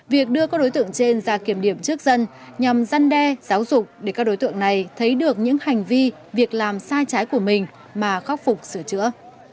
việc đưa các đối tượng trên ra kiểm điểm trước dân nhằm gian đe giáo dục để các đối tượng này thấy được những hành vi việc làm sai trái của mình mà khắc phục sửa chữa